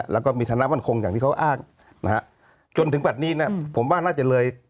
แล้วก็มีธนาคมวันคงอย่างที่เขาอ้างจนถึงแบบนี้ผมว่าน่าจะเลย